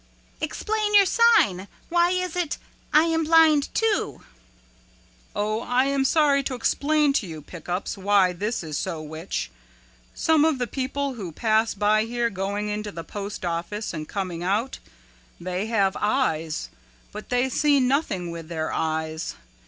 "Explain your sign why is it, 'I Am Blind Too.'" "Oh, I am sorry to explain to you, Pick Ups, why this is so which. Some of the people who pass by here going into the postoffice and coming out, they have eyes but they see nothing with their eyes.